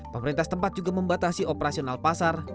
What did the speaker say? pemerintah setempat juga membatasi operasional pasar